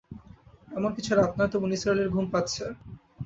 এমন কিছু রাত নয়, তবু নিসার আলির ঘুম পাচ্ছে।